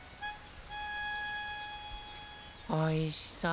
おいしそう！